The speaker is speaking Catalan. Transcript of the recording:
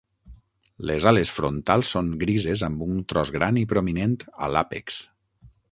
Les ales frontals són grises amb un tros gran i prominent a l'àpex.